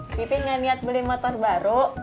pipi gak niat beli motor baru